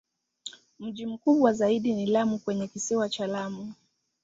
Mji mkubwa zaidi ni Lamu kwenye Kisiwa cha Lamu.